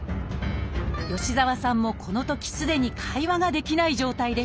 吉澤さんもこのときすでに会話ができない状態でした。